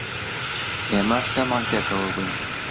ئێمە سێ مانگ پێکەوە بووین.